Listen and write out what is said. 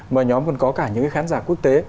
mà nhóm còn có cả những khán giả quốc tế